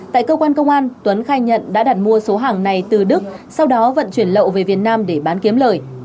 tại cơ quan công an tuấn khai nhận đã đặt mua số hàng này từ đức sau đó vận chuyển lậu về việt nam để bán kiếm lời